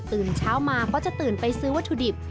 เช้ามาก็จะตื่นไปซื้อวัตถุดิบ